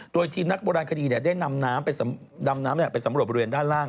โดยทีมนักโบราณคดีเนี่ยได้นำน้ำไปสำหรับบริเวณด้านล่าง